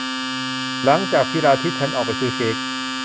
หลังจากพิลาทิสฉันออกไปซื้อเค้ก